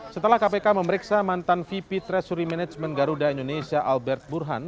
setelah kpk memeriksa mantan vp treasury management garuda indonesia albert burhan